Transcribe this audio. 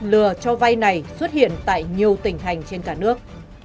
lừa cho vay này xuất hiện tại nhiều tỉnh hành trên cả nước